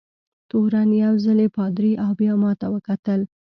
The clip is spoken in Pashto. تورن یو ځلي پادري او بیا ما ته وکتل.